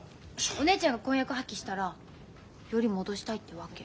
お姉ちゃんが婚約破棄したらヨリ戻したいってわけ？